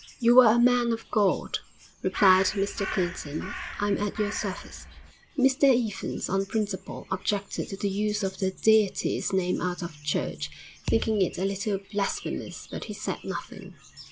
'You are a man of God,' replied Mr Clinton; 'I am at your service.' Mr Evans, on principle, objected to the use of the Deity's name out of church, thinking it a little blasphemous, but he said nothing.